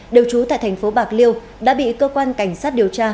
đều trú tại tp bạc liêu đã bị cơ quan cảnh sát điều tra